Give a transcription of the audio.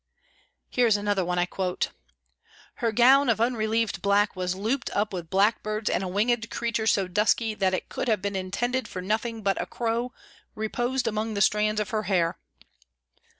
Here is another one I quote: "Her gown of unrelieved black was looped up with blackbirds and a winged creature so dusky that it could have been intended for nothing but a crow reposed among the strands of her hair."